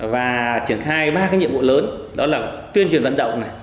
và triển khai ba nhiệm vụ lớn đó là tuyên truyền vận động